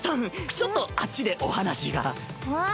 ちょっとあっちでお話が。えっ？